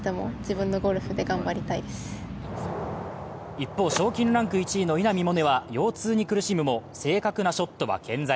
一方、賞金ランク１位の稲見萌寧は腰痛に苦しむも正確なショットは健在。